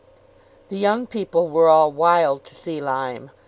The young people were all wild to see Lyme.